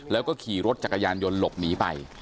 แล้วก็ขี่รถจักรยานยนต์หลบหนีไป